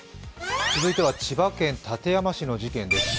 続いては千葉県館山市の事件です。